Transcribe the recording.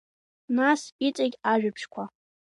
Нас, иҵегь ажәабжьқәа…